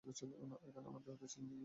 এখানে ওনার বিপরীতে ছিলেন লিলি চক্রবর্তী।